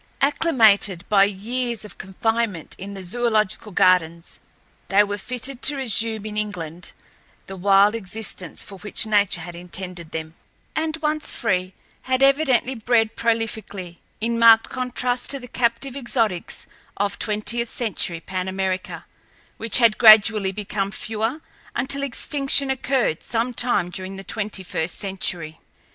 Acclimated by years of confinement in the zoological gardens, they were fitted to resume in England the wild existence for which nature had intended them, and once free, had evidently bred prolifically, in marked contrast to the captive exotics of twentieth century Pan America, which had gradually become fewer until extinction occurred some time during the twenty first century.